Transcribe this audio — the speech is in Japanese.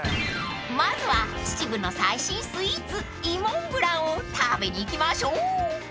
［まずは秩父の最新スイーツいもんぶらんを食べに行きましょう］